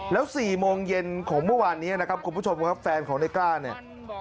แล้ว๔โมงเย็นของเมื่อวานนี้นะครับคุณผู้ชมครับแฟนของในกล้าเนี่ย